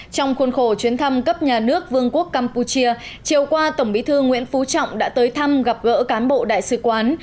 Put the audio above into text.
trong khuôn khổ chuyến thăm cấp nhà nước vương quốc campuchia chiều qua tổng bí thư nguyễn phú trọng đã tới thăm gặp gỡ cán bộ đại sứ quán